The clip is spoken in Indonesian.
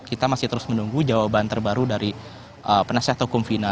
kita masih terus menunggu jawaban terbaru dari penasihat hukum fina